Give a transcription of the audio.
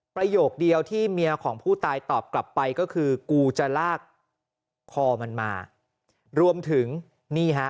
ประโยคเดียวที่เมียของผู้ตายตอบกลับไปก็คือกูจะลากคอมันมารวมถึงนี่ฮะ